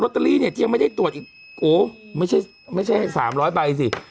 เตอรี่เนี่ยที่ยังไม่ได้ตรวจอีกโอ้ไม่ใช่ไม่ใช่สามร้อยใบสิ